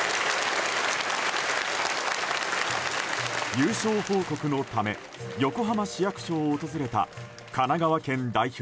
優勝報告のため横浜市役所を訪れた神奈川代表